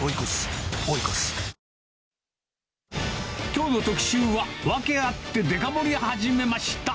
きょうの特集は、ワケあってデカ盛り始めました！